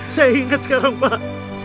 saya ingat sekarang pak